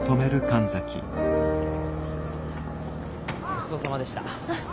ごちそうさまでした。